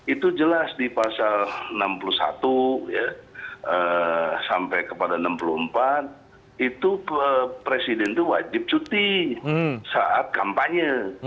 itu jelas di pasal enam puluh satu sampai kepada enam puluh empat itu presiden itu wajib cuti saat kampanye